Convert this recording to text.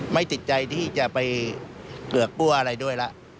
ไม่ติดใจที่จะไปเกลือกปั้วอะไรด้วยแล้ว